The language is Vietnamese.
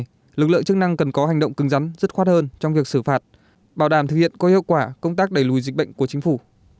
tại thừa thiên huế lực lượng chức năng cần có hành động cứng rắn dứt khoát hơn trong việc xử phạt bảo đảm thực hiện có hiệu quả công tác đẩy lùi dịch bệnh của chính phủ